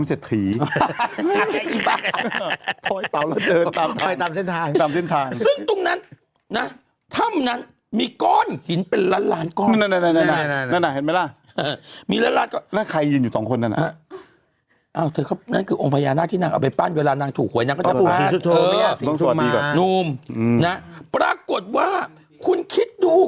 แสงเหนือที่ระนอง